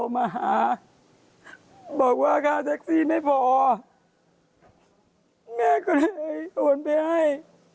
ไม่พอแม่ก็เลยโทนไปให้